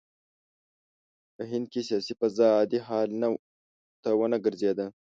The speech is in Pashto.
په هند کې سیاسي فضا عادي حال ته ونه ګرځېده.